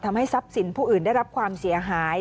ทำให้ทรัพย์สินผู้อื่นได้รับความเสียหาย